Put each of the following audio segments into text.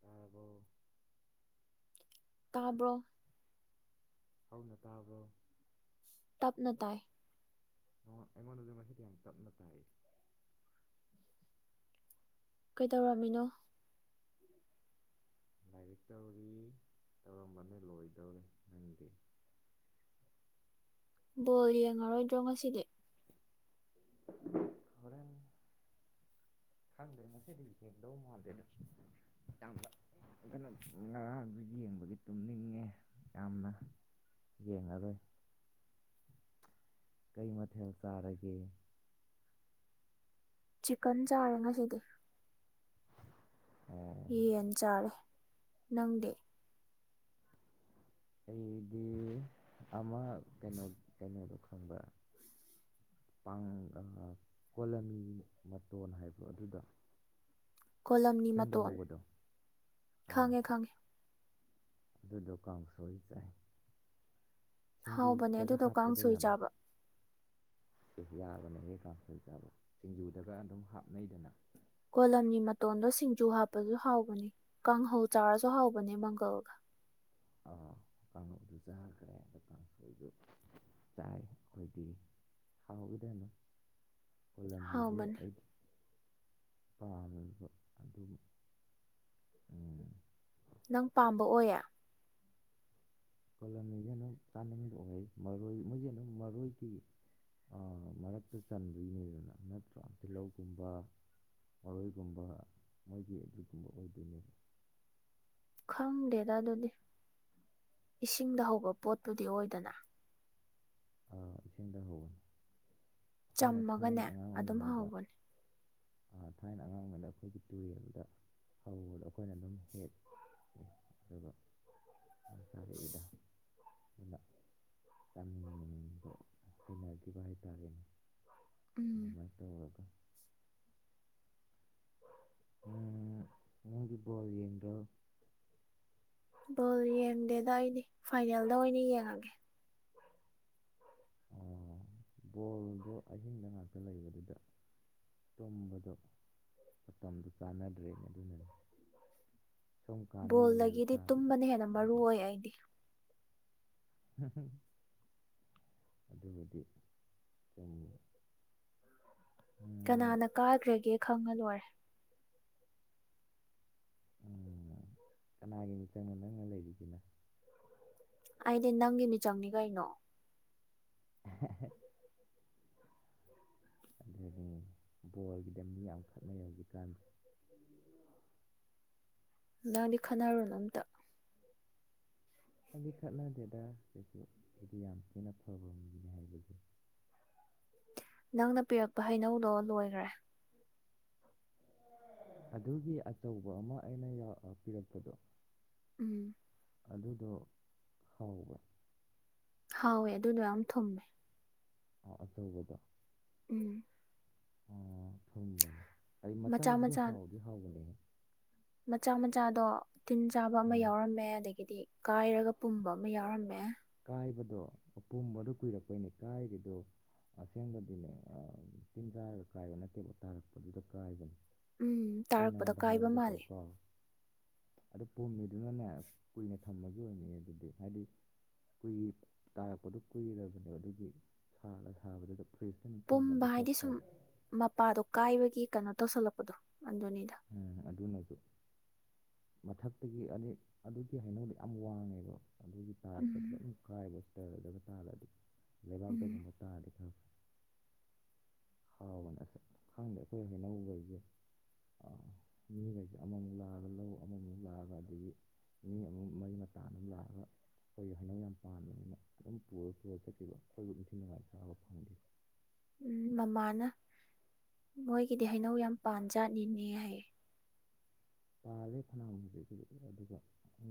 ꯇꯕꯔꯣ ꯇꯥꯕ꯭ꯔꯣ꯫ ꯍꯧꯅ ꯇꯥꯕ꯭ꯔꯣ꯫ ꯇꯞꯅ ꯇꯥꯏ꯫ ꯑꯣ ꯑꯩꯉꯣꯟꯗꯗꯤ ꯑꯪꯝꯣꯁꯤꯗꯤ ꯌꯥꯝ ꯇꯞꯅ ꯇꯥꯏ꯫ ꯀꯩꯗꯧꯔꯝꯃꯤꯅꯣ꯫ ꯂꯥꯏꯔꯤꯛ [unintelligible] ꯇꯧꯔꯤ ꯇꯧꯔꯝꯕꯅꯦ ꯂꯣꯏꯗꯧꯔꯦ ꯅꯪꯒꯤ꯫ ꯕꯣꯜ ꯌꯦꯡꯉꯔꯣꯏꯗ꯭ꯔꯣ ꯉꯁꯤꯗꯤ꯫ ꯍꯣꯔꯦꯟ꯫ ꯈꯪꯗꯦꯅ ꯉꯁꯤꯗꯤ ꯌꯦꯡꯗꯧ ꯃꯥꯗꯦꯗ ꯌꯥꯝ꯫ ꯑꯗꯨꯅ ꯉꯔꯥꯡꯁꯨ ꯌꯦꯡꯕꯒꯤ ꯇꯨꯝꯅꯤꯡꯉꯦ ꯌꯥꯝꯅ꯫ ꯌꯦꯡꯉꯔꯣꯢ꯫ ꯀꯩ ꯃꯊꯦꯜ ꯆꯥꯔꯒꯦ꯫ ꯆꯤꯛꯀꯟ ꯆꯥꯔꯦ ꯉꯁꯤꯗꯤ꯫ ꯑꯣ, ꯌꯦꯟ ꯆꯥꯔꯦ ꯅꯪꯗꯤ꯫ ꯑꯩꯗꯤ ꯑꯃ ꯀꯩꯅꯣ ꯀꯩꯅꯣꯗꯣ ꯈꯪꯕꯔ꯫ ꯀꯣꯂꯝꯃꯤ ꯃꯇꯣꯟ ꯍꯥꯏꯕꯔꯣ ꯑꯗꯨꯗꯣ꯫ ꯀꯣꯂꯝꯅꯤ ꯏꯁꯤꯡꯗ ꯃꯇꯣꯟ ꯍꯧꯕꯗꯣ ꯈꯪꯉꯦ ꯈꯪꯉꯦ꯫ ꯑꯗꯨ ꯀꯥꯡꯁꯣꯏ ꯆꯥꯏ꯫ ꯍꯥꯎꯕꯅꯦ ꯁꯤꯡꯖꯨꯗꯒ ꯑꯗꯨꯗꯣ ꯍꯥꯞꯄꯗꯣ ꯀꯥꯡꯁꯣꯏ ꯆꯥꯕ꯫ ꯌꯥꯕꯅꯦꯍꯦ ꯀꯥꯡꯁꯣꯏ ꯆꯥꯕ ꯁꯤꯡꯖꯨꯗꯒ ꯑꯗꯨꯝ ꯍꯥꯞꯅꯩꯗꯅ꯫ ꯀꯣꯂꯝꯒꯤ ꯃꯇꯣꯟꯗꯣ ꯁꯤꯡꯖꯨ ꯍꯥꯞꯄꯁꯨ ꯍꯥꯎꯕꯅꯤ ꯀꯥꯡꯍꯧ ꯆꯥꯔꯁꯨ ꯍꯥꯎꯕꯅꯦ ꯃꯪꯒꯜꯒ꯫ [unintelligible] ꯀꯥꯡꯂꯨꯞꯗꯨ ꯆꯥꯈ꯭ꯔꯦꯗ ꯀꯥꯡꯁꯣꯏꯗꯨ ꯆꯥꯏ ꯑꯩꯈꯣꯏꯗꯤ ꯍꯥꯎꯋꯗꯅꯣ ꯑꯣꯏꯂꯝꯃꯤꯁꯦ ꯍꯥꯎꯕꯅꯦ ꯑꯩꯗꯤ ꯄꯥꯕ ꯑꯗꯨꯒ ꯅꯪ ꯄꯥꯝꯕ ꯑꯣꯏꯌꯦ ꯄꯣꯂꯝꯃꯤꯁꯦ ꯑꯗꯨꯝ ꯆꯥꯅꯤꯡꯕ ꯑꯣꯏꯩ ꯃꯔꯣꯏ ꯃꯣꯏꯁꯦ ꯑꯗꯨꯝ ꯃꯔꯣꯏꯒꯤ ꯃꯔꯛꯇ ꯆꯟꯕꯒꯤꯅꯦꯗꯅ ꯅꯠꯇ꯭ꯔꯣ ꯇꯤꯜꯍꯧꯒꯨꯝꯕ ꯃꯔꯣꯏꯒꯨꯝꯕ ꯃꯣꯏꯒꯤ ꯑꯗꯨꯒꯨꯝꯕ ꯑꯣꯏꯗꯣꯏꯅꯦꯕ ꯈꯪꯗꯦꯗ ꯑꯗꯨꯗꯤ ꯏꯁꯤꯡꯗ ꯍꯧꯕ ꯄꯣꯠꯠꯇꯨꯗꯤ ꯑꯣꯏꯗꯅ ꯏꯁꯤꯡꯗ ꯍꯧꯕꯅꯤ ꯑꯩꯈꯣꯏꯅ ꯊꯥꯏꯅ ꯆꯝꯃꯒꯅꯦ ꯑꯉꯥꯡ ꯑꯗꯨꯝ ꯑꯣꯏꯔꯤꯉꯩꯗ ꯍꯧꯕꯅꯦ ꯊꯥꯏꯅ ꯑꯉꯥꯡꯕꯗ ꯑꯩꯈꯣꯏꯒꯤ ꯇꯨꯔꯦꯜꯗ ꯍꯧꯕꯗꯣ ꯑꯩꯈꯣꯏꯅ ꯑꯗꯨꯝ ꯍꯦꯛ [unintelligible] ꯁꯁꯔꯒꯤꯗꯃꯤ ꯕ ꯍꯩꯅꯈꯤꯕ ꯍꯥꯏꯇꯥꯔꯦꯅꯦ ꯎꯝ ꯑꯗꯨꯃꯥꯏꯅ ꯇꯧꯔꯒ ꯎꯝ ꯃꯒꯤ ꯄꯣꯑꯣꯣ ꯣꯜ ꯌꯦꯡꯗꯦꯗ ꯑꯩꯗꯤ ꯐꯥꯏꯅꯦꯜꯗ ꯑꯣꯏꯅ ꯌꯦꯡꯉꯒꯦ [unintelligible] ꯕꯣꯜꯗꯣ ꯑꯍꯤꯡꯗ ꯉꯥꯛꯇ ꯂꯩꯕꯗꯨꯗ ꯇꯨꯝꯕꯗꯣ ꯃꯇꯝꯗꯨ ꯆꯥꯟꯅꯗ꯭ꯔꯦꯅꯦ ꯑꯗꯨꯅꯅꯤ ꯁꯨꯝ ꯀꯥꯟꯗ ꯂꯩꯔꯕ ꯕꯣꯜꯗꯒꯤꯗꯤ ꯇꯥꯔꯗꯤ ꯇꯨꯝꯕꯅ ꯍꯦꯟꯅ ꯃꯔꯨ ꯑꯣꯏ ꯑꯩꯗꯤ ꯑꯗꯨꯕꯨꯗꯤ ꯆꯨꯝꯉ ꯀꯅꯥꯅ ꯀꯥꯈ꯭ꯔꯒꯦ ꯈꯪꯉ ꯂꯣꯏꯔꯦ ꯎꯝ ꯀꯅꯥꯒꯤ ꯃꯤꯆꯪ ꯑꯃ ꯅꯪꯅ ꯂꯩꯔꯤꯁꯤꯅ ꯑꯩꯗꯤ ꯅꯪꯒꯤ ꯃꯤꯆꯪꯅꯤ ꯀꯩꯅꯣ [unintelligible] ꯑꯗꯨꯗꯤ ꯕꯜꯒꯤꯗ ꯃꯤ ꯌꯥꯝ ꯈꯠꯅꯩ ꯍꯧꯖꯤꯛꯀꯥꯟꯁ ꯅꯪꯗꯤ ꯈꯟꯅꯔꯣꯅ ꯑꯝꯇ ꯍꯥꯏꯗꯤ ꯈꯠꯅꯗꯦꯗ ꯀꯩꯁꯨ ꯑꯩꯗꯤ ꯌꯥꯝ ꯊꯤꯅ ꯐꯕꯅꯦ ꯍꯥꯏꯕꯁꯦ ꯅꯪꯅ ꯄꯤꯔꯛꯄ ꯍꯩꯅꯧꯗꯣ ꯂꯣꯏꯈ꯭ꯔꯦ ꯑꯗꯨꯒꯤ ꯑꯆꯧꯕ ꯑꯃ ꯑꯩꯅ ꯄꯤꯔꯛꯄꯗꯣ ꯎꯝ ꯑꯗꯨꯗꯣ ꯍꯋꯦ ꯍꯥꯎꯋꯦ ꯑꯗꯨꯗꯣ ꯌꯥꯝ ꯊꯨꯝꯃꯦ ꯑꯊꯒꯗ ꯎꯝ ꯑꯣ ꯊꯨꯝꯕ ꯍꯥꯏ ꯃꯆꯥ ꯃꯆꯥꯁꯤꯗ ꯃꯆꯥ ꯍꯥꯎꯗꯤ ꯍꯥꯎꯒꯅꯦꯍꯦ ꯃꯆꯥ ꯃꯆꯥꯗꯣ ꯇꯤꯟ ꯆꯥꯕ ꯑꯃ ꯑꯥ ꯌꯥꯎꯔꯝꯃꯦ ꯑꯗꯒꯤꯗꯤ ꯀꯥꯏꯔꯒ ꯄꯨꯝꯕ ꯑꯃ ꯌꯥꯎꯔꯝꯃꯦ ꯀꯥꯏꯕꯗꯣ ꯑꯄꯣꯝꯕꯗꯣ ꯀꯨꯏꯔꯛꯄꯩꯅꯦ ꯀꯥꯏꯔꯤꯗꯣ ꯑꯁꯦꯡꯕꯗꯤꯅꯦ ꯇꯤꯟ ꯆꯥꯔꯒ ꯀꯥꯏꯕ ꯅꯠꯇꯦ ꯑꯣꯣꯠ ꯇꯥꯔꯛꯄꯗꯨꯗ ꯀꯥꯏꯕꯅꯦ ꯎꯝ ꯑꯩ ꯇꯥꯔꯛꯄꯗ ꯅꯪꯉꯣꯟꯗ ꯀꯥꯏꯕ ꯍꯥꯏꯕꯒꯦ ꯃꯥꯂꯦ ꯇꯧꯔ ꯀꯥꯎ ꯑꯗꯨ ꯄꯣꯝꯃꯤꯗꯨꯅꯅꯦ ꯀꯨꯏꯅ ꯊꯝꯕꯒꯤ ꯑꯣꯏꯅꯤ ꯑꯗꯨꯗꯤ ꯍꯥꯏꯗꯤ ꯀꯨꯏ ꯇꯥꯔꯛꯄꯗꯣ ꯀꯨꯏꯕꯅꯦꯕ ꯑꯗꯨꯒꯤ ꯁꯥꯂ ꯁꯥꯕꯗꯨꯗ ꯐ꯭ꯔꯤꯖꯇꯅ ꯄꯨꯝꯕ ꯊꯝꯃꯗꯤ ꯈꯔ ꯍꯥꯏꯗꯤ ꯁꯨꯝ ꯐꯕ ꯃꯄꯥꯗꯣ ꯀꯥꯏꯕꯒꯤ ꯀꯩꯅꯣ ꯇꯧꯁꯜꯂꯛꯄꯗꯣ ꯑꯟꯗꯣꯅꯤꯗ ꯑꯗꯨ ꯃꯊꯛꯇꯒꯤ ꯑꯗꯨꯒꯤ ꯍꯥꯏꯩꯅꯧꯗ ꯌꯥꯝ ꯋꯥꯡꯉꯦꯕ ꯑꯗꯨꯒꯤ ꯇꯥꯔꯛꯄꯗ ꯎꯝ ꯑꯗꯨꯝ ꯀꯥꯏꯕ ꯇꯔꯗꯕ ꯇꯥꯔ ꯑꯗꯨꯝ ꯎꯝ ꯂꯩꯕꯥꯛꯇꯒꯨꯝꯕ ꯇꯥꯔꯗꯤ ꯈꯪꯦ ꯍꯥꯎꯕꯅꯦ ꯑꯁ ꯈꯪꯗꯦ ꯑꯩꯈꯣꯏ ꯍꯩꯅꯧꯕ ꯑꯩꯁꯦ [unintelligible] ꯃꯤꯈꯩꯁꯦ ꯑꯃꯃꯨꯛ ꯂꯥꯛꯑꯒ ꯂꯧ ꯑꯃꯃꯨꯛ ꯂꯥꯛꯑꯒ ꯑꯗꯒꯤ ꯃꯤ ꯑꯃꯨꯛ ꯃꯩ ꯃꯇꯥ ꯑꯃ ꯂꯥꯛꯑꯒ [inaudible] ꯑꯩꯈꯣꯏꯒꯤ ꯍꯩꯅꯧ ꯌꯥꯝ ꯄꯥꯅꯤꯅ ꯑꯗꯨꯝ ꯄꯨꯔ ꯄꯨꯔ ꯆꯠꯈꯤꯕ ꯑꯩꯈꯣꯏꯕꯨ ꯅꯨꯡꯊꯤ ꯅꯨꯡꯉꯥꯏ ꯆꯥꯕ ꯐꯪꯗꯦ [inaudible] ꯎꯝ ꯃꯃꯥꯅ ꯃꯣꯏꯒꯤꯗꯤ ꯍꯩꯅꯧ ꯌꯥꯝ ꯄꯥꯟꯖꯥꯠꯅꯤꯅꯦ ꯍꯥꯏ ꯄꯥꯜꯂꯦ ꯐꯅꯃꯨꯁꯦ ꯑꯗꯨꯒ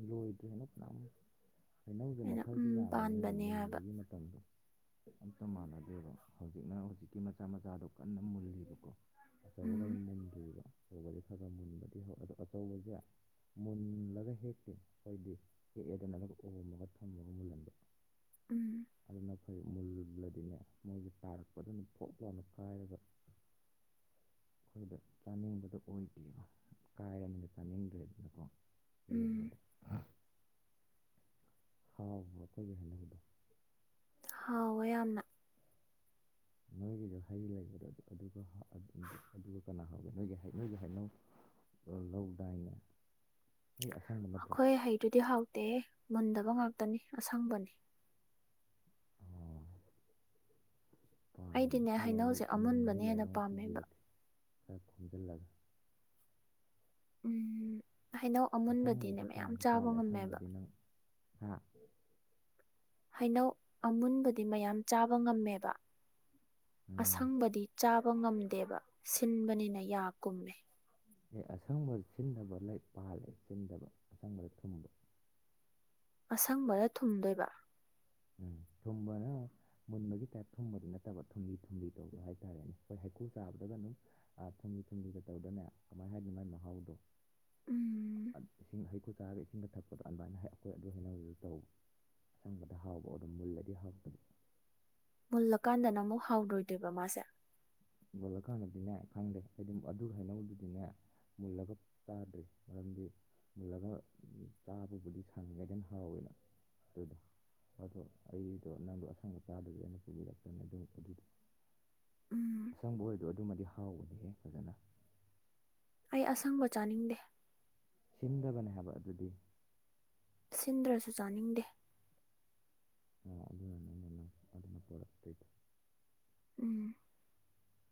ꯂꯣꯏꯗ꯭ꯔꯦꯅ ꯐꯅꯃꯛ [inaudible] ꯍꯩꯅꯧꯁꯦ ꯑꯩꯅ ꯃꯈꯜꯁꯦ ꯎꯝ ꯌꯥꯝꯕꯅꯤꯅꯅꯦ ꯄꯥꯟꯕꯅꯦ ꯍꯥꯏꯕ ꯃꯨꯟꯕꯒꯤ ꯃꯇꯝꯗꯣ [inaudible] [inaudible] ꯑꯝꯇ ꯃꯥꯟꯅꯗꯦꯕ ꯍꯧꯖꯤꯛꯅ ꯍꯧꯖꯤꯛꯀꯤ ꯃꯆꯥ ꯃꯆꯥꯗꯣ ꯀꯟꯅ ꯃꯨꯜꯂꯤꯕꯀꯣ ꯑꯆꯧꯕꯈꯩ ꯎꯝ ꯃꯨꯟꯗ꯭ꯔꯤꯕ ꯑꯆꯧꯕꯁ ꯈꯔ ꯈꯔ ꯃꯨꯟꯕꯗꯤ ꯍꯧꯗꯣ [inaudible] [inaudible] ꯄꯊꯧꯕꯁꯦ [inaudible] ꯃꯨꯜꯂꯒ ꯍꯦꯛꯇꯦ ꯑꯩꯣꯏꯗꯤ ꯍꯦꯛꯑꯦꯗ ꯅꯠꯇꯒ ꯎꯝꯃꯒ ꯊꯝꯃꯒ ꯃꯨꯜꯍꯟꯕ ꯎꯝ [inaudible] ꯑꯗꯨꯅ ꯑꯩꯈꯣꯏ ꯃꯨꯜꯂꯗꯤꯅꯦ ꯃꯣꯏꯁꯦ ꯇꯥꯔꯛꯄꯗꯅ ꯐꯣꯛ ꯂꯥꯎꯅ ꯀꯥꯏꯔꯒ ꯑꯩꯈꯣꯏꯗꯣ ꯆꯥꯅꯤꯡꯕꯗꯣ ꯑꯣꯏꯗꯕ ꯀꯥꯥꯏ ꯇꯃꯤꯣ ꯎꯝ [inaudible] ꯍꯥꯎꯕꯔꯣ ꯑꯩꯈꯣꯏꯒꯤ ꯍꯩꯅꯧꯕꯗꯣ ꯍꯥꯎꯋꯦ ꯌꯥꯝꯅ ꯅꯣꯏꯒꯤꯗ ꯍꯩ ꯂꯩꯕꯗꯣ ꯀꯅꯥ [inaudible] ꯅꯣꯏꯒꯤ-ꯅꯣꯏꯒꯤ ꯍꯩꯅꯧ ꯂꯧꯗꯥꯏꯅ ꯑꯩꯈꯣꯏ ꯍꯩꯗꯨꯗꯤ ꯍꯥꯎꯇꯦꯍꯦ ꯃꯨꯟꯗꯕ ꯉꯥꯛꯇꯅꯤ ꯑꯁꯪꯕꯅꯤ ꯄꯥꯡꯒꯅꯤ ꯑꯩꯗꯤꯅꯦ ꯑꯩ ꯑꯃꯨꯛ ꯍꯩꯅꯧꯁꯦ ꯅꯣꯡ ꯅꯤꯅꯤ ꯑꯃꯨꯟꯕꯅ ꯍꯦꯟꯅ ꯂꯩꯔꯒ ꯑꯃꯨꯛ ꯄꯥꯝꯃꯦꯕ ꯄꯨꯕꯤꯔꯛꯀꯦ ꯈꯔ ꯈꯣꯝꯖꯤꯜꯂꯒ ꯎꯝ ꯍꯩꯅꯧ ꯑꯃꯨꯟꯕꯗꯤꯅꯦ ꯑꯁꯪꯕꯁꯨ ꯃꯌꯥꯝ ꯆꯥꯕ ꯉꯝꯃꯦꯕ ꯑꯥ ꯍꯩꯅꯧ ꯑꯃꯨꯟꯕꯗꯤ ꯃꯌꯥꯝ ꯆꯥꯕ ꯉꯝꯃꯦꯕ ꯎꯝ ꯑꯁꯪꯕꯗꯤ ꯆꯥꯕ ꯉꯝꯗꯦꯕ ꯁꯤꯟꯕꯅꯤꯅ ꯌꯥ ꯀꯨꯝꯃꯦ ꯑꯦ ꯑꯁꯪꯕ ꯁꯤꯟꯗꯕ ꯂꯩ ꯄꯥꯜꯂꯦ ꯁꯤꯟꯗꯕ ꯑꯁꯪꯕꯗ ꯊꯨꯝꯕ ꯑꯁꯪꯕꯅꯥ ꯊꯨꯝꯗꯣꯏꯕ ꯎꯝ ꯊꯨꯝ ꯃꯨꯟꯕꯒꯤ ꯇꯥꯏꯞ ꯊꯨꯝꯕꯗꯤ ꯅꯠꯇꯕ ꯊꯨꯝꯂꯤ-ꯊꯨꯝꯂꯤ ꯇꯧꯗꯣ ꯍꯥꯏꯇꯥꯔꯦꯅꯦ ꯑꯩꯈꯣꯏ ꯍꯩꯀꯨ ꯆꯥꯕꯗꯒ ꯑꯗꯨꯝꯨꯝ ꯃꯤ ꯊꯨꯝꯁꯤꯗ ꯇꯧꯗꯅꯅꯦ ꯀꯃꯥꯏꯅ ꯍꯥꯏꯅꯤ ꯃꯥꯥꯏ ꯃꯍꯥꯎꯗꯣ ꯎꯝ ꯏꯁꯤꯡ ꯍꯩꯀꯔꯨ ꯆꯥꯒ ꯏꯁꯤꯡꯒ ꯊꯛꯄꯗꯣ ꯑꯗꯨꯃꯥꯏꯅ ꯑꯩꯈꯣꯏ ꯑꯗꯨ ꯍꯩꯅꯗꯨ ꯇꯧ ꯑꯁꯪꯕ ꯗ ꯍꯥꯎꯕꯗꯝ ꯃꯨꯜꯂꯗꯤ ꯍꯥꯎꯇꯦ ꯃꯨꯜꯂꯀꯥꯟꯗ ꯅꯥ ꯑꯃꯨꯛ ꯍꯥꯎꯔꯣꯏꯗꯣꯏꯕ ꯃꯥꯁꯦ ꯃꯨꯜꯂꯀꯥꯟꯗꯗꯤꯅꯦ ꯈꯪꯗꯦ ꯍꯥꯏꯗꯤ ꯑꯗꯨ ꯍꯩꯅꯧꯗꯨꯗꯤꯅꯦ ꯃꯨꯜꯂꯒ ꯆꯥꯗ꯭ꯔꯤ ꯃꯔꯝꯗꯤ ꯃꯨꯜꯂꯒ ꯆꯥꯕꯕꯨꯗꯤ ꯁꯪꯏꯀꯥꯟꯗꯅ ꯍꯥꯎꯋꯦꯕꯥ ꯑꯗꯨꯗ ꯑꯗꯣ ꯑꯩꯗꯣ ꯅꯪꯗꯣ ꯑꯁꯪꯕ ꯆꯆꯥꯗꯨꯗ ꯑ ꯑꯣꯏꯅ ꯄꯨꯕꯤꯔꯛꯀꯦꯅꯦ ꯑꯗꯨꯝ ꯑꯗꯨꯗ ꯎꯝ ꯑꯁꯪꯕ ꯑꯣꯏꯔ꯭ꯁꯨ ꯑꯗꯨꯃꯗꯤ ꯍꯥꯎꯕꯅꯤꯍꯦ ꯐꯖꯅ ꯑꯩ ꯑꯁꯪꯕ ꯆꯥꯅꯤꯡꯗꯦ ꯁꯤꯟꯗꯕꯅꯦ ꯍꯥꯏꯕ ꯑꯗꯨꯗꯤ ꯁꯤꯟꯗ꯭ꯔꯁꯨ ꯆꯥꯅꯤꯡꯗꯦ ꯑꯣ ꯑꯅ ꯑꯗꯨꯗꯅ ꯄꯣꯗꯛꯇꯗ [inaudible] ꯎꯝ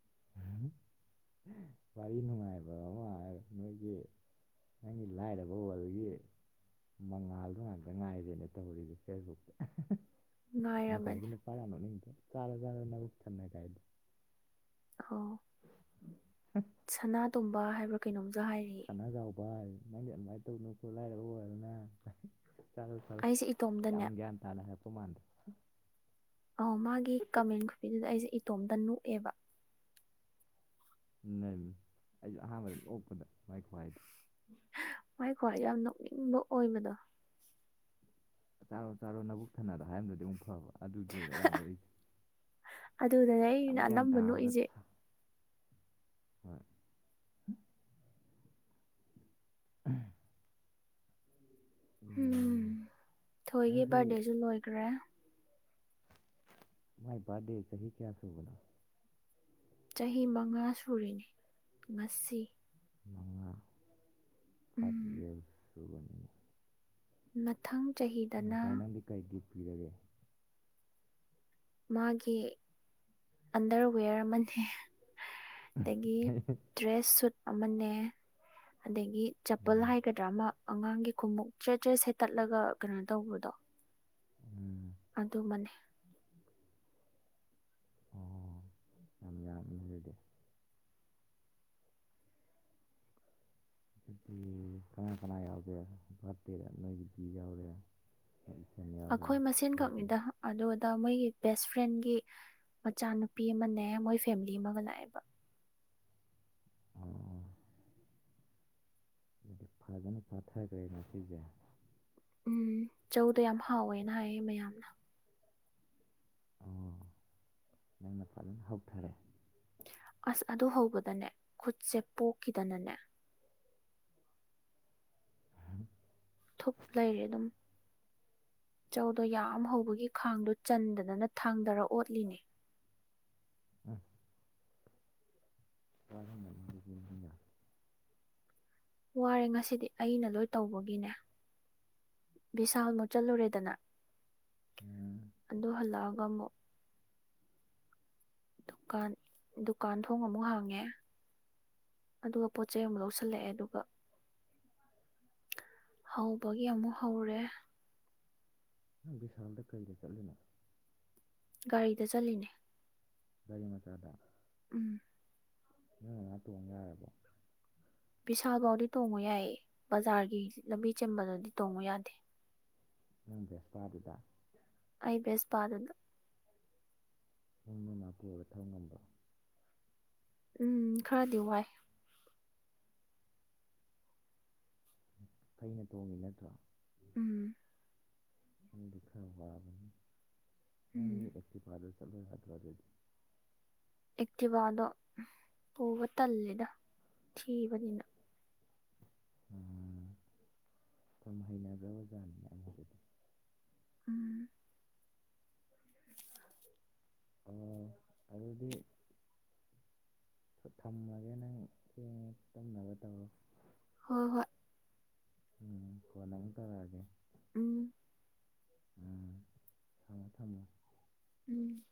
[inaudible] ꯋꯥꯔꯤ ꯅꯨꯡꯉꯥꯏꯕ ꯑꯃ ꯅꯣꯏꯒꯤ ꯅꯪꯒꯤ ꯂꯥꯏꯔꯕ ꯋꯔꯜ ꯃꯉꯥꯜꯗꯣ ꯉꯥꯛꯇ ꯉꯥꯏꯔꯦꯅ ꯇꯧꯔꯤꯁꯦ ꯐꯦꯁꯕꯨꯛꯇ ꯉꯁꯥꯏ ꯉꯥꯏꯔꯕꯅꯦ ꯀ ꯄꯔꯅꯣ ꯅꯣ ꯆꯔ ꯆꯅ ꯎꯆꯅ ꯀꯥꯏꯗ [inaudible] ꯑꯣ ꯁꯅꯥꯇꯣꯝꯕ ꯍꯥꯏꯕ꯭ꯔꯥ ꯀꯩꯅꯣꯝ ꯁꯅꯖꯥꯎꯕ ꯍꯥꯏ ꯃꯗꯤ ꯑꯗꯨꯃꯥꯏꯅ ꯇꯧꯅꯨꯀꯣ ꯂꯥꯏꯔꯕ ꯆꯂ ꯆꯠ ꯑꯩꯁꯦ ꯏꯇꯣꯝꯗꯅꯦ ꯌꯥꯝ ꯭ꯌꯥꯟ ꯇꯥꯅ ꯍꯥꯏꯦꯄꯃꯗ [inaudible] ꯑ ꯃꯥꯒꯤ ꯀꯃꯦꯟ ꯈꯨꯕꯤꯗꯨꯗ ꯑꯩꯁꯦ ꯏꯇꯣꯝꯗ ꯅꯣꯛꯑꯦꯕ ꯅ ꯑꯩꯁꯨ ꯑꯍꯥꯟꯕꯗ ꯑꯣꯛꯄꯗ ꯃꯥꯏ ꯈ꯭ꯋꯥꯏꯗ ꯃꯥꯏ ꯈ꯭ꯋꯥꯏ ꯌꯥꯝ ꯅꯣꯛꯅꯤꯡꯕ ꯑꯣꯏꯕꯗꯣ ꯆꯥꯔꯣ ꯆꯥꯔꯣ ꯅꯕꯨꯛ ꯊꯟꯅꯔꯣ ꯍꯥꯏꯔꯝꯗꯨꯗꯤ ꯑꯃꯨꯛ ꯐꯕ ꯑꯗꯨꯗꯨꯗꯔꯥꯝꯗꯣꯛꯏꯁꯦ ꯑꯗꯨꯗꯅꯦ ꯌꯥꯝ ꯑꯩꯅ ꯒ꯭ꯌꯥꯟ ꯑꯅꯝꯕ ꯇꯥꯕꯒ ꯅꯣꯛꯏꯁꯦ ꯍꯣꯏ ꯎꯝ ꯎꯝ ꯊꯣꯏꯒꯤ ꯅꯪꯒꯤ ꯕꯥꯔꯗꯦꯁꯨ ꯂꯣꯏꯈ꯭ꯔꯦ ꯃꯥꯏ ꯄꯗꯦ ꯁ ꯆꯍꯤ ꯀꯌꯥꯁꯨꯕꯅ ꯆꯍꯤ ꯃꯉꯥ ꯁꯨꯔꯤꯅꯤ ꯉꯁꯤ ꯃꯉꯥ ꯐꯥꯏꯚ ꯎꯝ ꯏꯌꯥꯔꯁ ꯁꯨꯕꯅꯤ ꯃꯊꯪ ꯆꯍꯤꯗꯅ ꯅꯪꯗꯤ ꯀꯩ ꯒꯤꯐ ꯄꯤꯔꯒꯦ [unintelligible] [inaudible] ꯃꯥꯒꯤ ꯑꯟꯗꯔꯋꯦꯌꯔ ꯑꯃꯅꯦ ꯑꯗꯒꯤ ꯗ꯭ꯔꯦꯁ ꯁꯨꯠ ꯑꯃꯅꯦ ꯑꯗꯒꯤ ꯆꯄꯜ ꯎꯝ ꯍꯥꯏꯒꯗ꯭ꯔꯥ ꯑꯃ ꯑꯉꯥꯡꯒꯤ ꯈꯣꯡꯎꯞ ꯆ ꯆ ꯁꯦꯠꯇꯠꯂꯒ ꯀꯩꯅꯣ ꯇꯧꯕꯗꯣ ꯎꯝ ꯑꯗꯨꯃꯅꯤ ꯑꯣ ꯌꯥꯝ ꯌꯥꯝꯃꯤ ꯑꯗꯨꯗꯤ ꯄꯤ ꯀꯅꯥ ꯀꯅꯥ ꯌꯥꯎꯗ ꯚꯔꯇꯗ ꯅꯄꯤ ꯌꯥꯎꯗ ꯑꯩꯈꯣꯏ ꯃꯁꯦꯟꯈꯛꯅꯤꯗ ꯑꯗꯨꯗ ꯃꯣꯏꯒꯤ ꯕꯦꯁ ꯐ꯭ꯔꯦꯟꯒꯤ ꯃꯆꯥꯅꯨꯄꯤ ꯑꯃꯅꯦ ꯃꯣꯏ ꯐꯦꯃꯤꯂꯤ ꯑꯃꯒ ꯂꯥꯛꯑꯦꯕ ꯑꯣ ꯗꯤ ꯐꯖꯅ ꯐꯥꯊꯈ꯭ꯔꯦ ꯉ ꯁꯤꯁꯦ ꯎꯝ ꯆꯧꯗ ꯌꯥꯝ ꯍꯥꯎꯋꯦꯅ ꯍꯥꯏꯌꯦ ꯃꯌꯥꯝꯅ ꯑꯣ ꯅꯪꯅ ꯐꯖꯅ ꯍꯧꯊꯔꯦ ꯑꯁ ꯑꯗꯨ ꯍꯧꯕꯗꯅꯦ ꯈꯨꯠꯁꯦ ꯄꯣꯛꯈꯤꯗꯅꯅꯦ ꯎꯝ [unintelligible] [inaudible] ꯊꯨꯞ ꯂꯩꯔꯦ ꯑꯗꯨꯝ ꯆꯧꯗꯣ ꯌꯥꯝ ꯍꯧꯕꯒꯤ ꯈꯥꯡꯗꯨ ꯆꯟꯗꯗꯅ ꯊꯥꯡꯗꯔ ꯑꯣꯠꯂꯤꯅꯦ [unintelligible] [inaudible] ꯎꯝ [unintelligible] [inaudible] ꯀ [unintelligible] [inaudible] ꯋꯥꯔꯦ ꯉꯁꯤꯗꯤ ꯑꯩꯅ ꯂꯣꯏ ꯇꯧꯕꯒꯤꯅꯦ ꯕꯤꯁꯥꯜ ꯃꯨꯠꯆꯠꯜꯂꯨꯔꯦꯗꯅ ꯎꯝ ꯑꯗꯨ ꯍꯜꯂꯛꯑꯒ ꯑꯃꯨꯛ ꯗꯨꯀꯥꯟ ꯗꯨꯀꯥꯟ ꯊꯣꯡ ꯑꯃꯨꯛ ꯍꯥꯡꯉꯦ ꯑꯗꯨꯒ ꯄꯣꯠ ꯆꯩ ꯑꯃ ꯂꯧꯁꯤꯜꯂꯛꯑꯦ ꯑꯗꯨꯒ ꯍꯧꯕꯒꯤ ꯑꯃꯨꯛ ꯍꯧꯔꯦ ꯪ ꯕꯤꯁꯥꯜꯗ ꯀꯩꯗ ꯆꯠꯂꯤꯅꯣ ꯒꯥꯔꯤꯗ ꯆꯠꯂꯤꯅꯦ ꯔꯤꯃꯆꯥꯗ ꯎꯝ ꯎꯝ ꯉ ꯇꯣꯡꯉ ꯍꯥꯏꯔꯦꯕꯣ ꯕꯤꯚꯤꯁꯥꯜꯐꯥꯎꯗꯤ ꯇꯣꯡꯕ ꯌꯥꯏꯌꯦ ꯕꯖꯥꯔꯒꯤ ꯂꯝꯕꯤ ꯆꯦꯟꯕꯗꯗꯤ ꯇꯣꯡꯕ ꯌꯥꯗꯦ ꯅꯪ ꯕꯦꯁꯄꯥꯗꯨꯗ ꯑꯩꯕꯁ ꯄꯥꯗꯨꯗ ꯍꯅ ꯃꯥ ꯀꯊꯧꯧ ꯉꯪꯕ꯭ꯔ ꯎꯝ ꯈꯥꯗ ꯍꯥꯏꯏ ꯐꯩꯅ ꯇꯣꯡꯉꯤ ꯅꯠꯇ꯭ꯔꯣ ꯎꯝ [unintelligible] [inaudible] ꯂꯤ ꯃꯤ ꯏ ꯎꯝ ꯏꯐꯗ ꯆꯂ ꯍꯥꯏꯗꯕꯗꯗꯤ ꯑꯦꯛꯇꯤꯚꯥꯗꯣ ꯄꯨꯕ ꯇꯜꯜꯂꯤꯦꯗ ꯊꯤꯕꯅꯤꯅ ꯁꯨꯝ ꯍꯩꯅꯕ꯭ꯔ ꯑꯣꯖꯥꯅꯤꯌꯥꯝꯗꯤ ꯎꯝ ꯑꯣ ꯑꯗꯨꯗꯤ ꯊꯝꯃꯒꯦ ꯅꯪ ꯍ ꯇꯨꯝꯅꯕ ꯇꯧꯔꯣ ꯍꯣꯏ ꯍꯣꯏ ꯎꯝ ꯀꯅ ꯇꯔꯑꯒꯦ ꯎꯝ ꯎꯝ ꯊꯝꯃꯣ ꯊꯝꯃꯣ ꯎꯝ